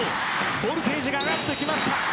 ボルテージが上がってきました。